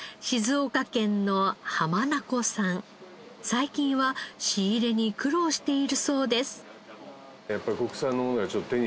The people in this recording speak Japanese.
最近は仕入れに苦労しているそうです。